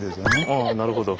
ああなるほど。